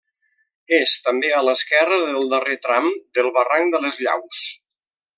És també a l'esquerra del darrer tram del barranc de les Llaus.